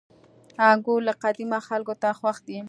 • انګور له قديمه خلکو ته خوښ دي.